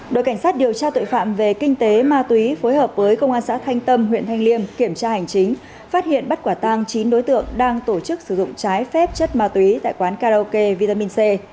đội cảnh sát điều tra tội phạm về kinh tế ma túy phối hợp với công an xã thanh tâm huyện thanh liêm kiểm tra hành chính phát hiện bắt quả tang chín đối tượng đang tổ chức sử dụng trái phép chất ma túy tại quán karaoke vitamin c